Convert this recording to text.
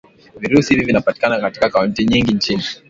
Virusi hivi vinapatikana katika kaunti nyingi nchini